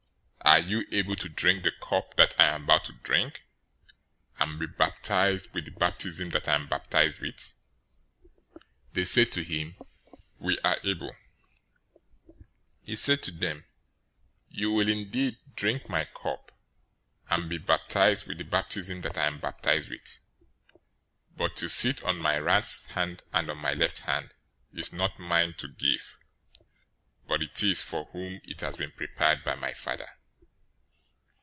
Are you able to drink the cup that I am about to drink, and be baptized with the baptism that I am baptized with?" They said to him, "We are able." 020:023 He said to them, "You will indeed drink my cup, and be baptized with the baptism that I am baptized with, but to sit on my right hand and on my left hand is not mine to give; but it is for whom it has been prepared by my Father."